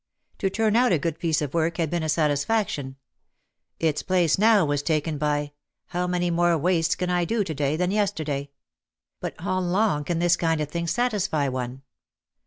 To turn out a good piece of work had been a satisfaction. Its place now was taken by : "How many more waists can I do to day than yesterday?" But how long can this kind of thing satisfy one?